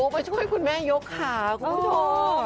ไม่ช่วยคุณแม่ยกขากุกรม